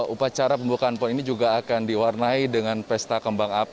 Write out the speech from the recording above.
upacara pembukaan pon ini juga akan diwarnai dengan pesta kembang api